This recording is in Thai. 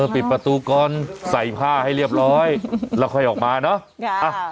ปิดประตูก่อนใส่ผ้าให้เรียบร้อยแล้วค่อยออกมาเนอะ